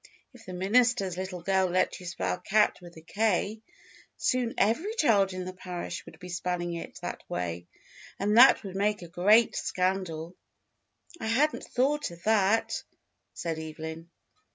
If the minister's little girl let you spell cat with a K, soon every child in the parish would be spelling it that way, and that would make a great scandal." "I had n't thought of that," said Evelyn.